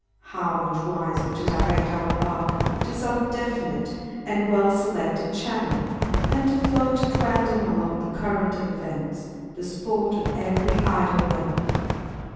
How much wiser to direct our bark to some definite and well selected channel, than to float at random along the current of events, the sport of every idle wave.